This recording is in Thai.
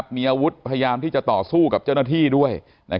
มีอาวุธพยายามที่จะต่อสู้กับเจ้าหน้าที่ด้วย